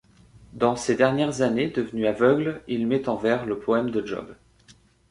Dans ses dernières années, devenu aveugle, il met en vers le poème de Job.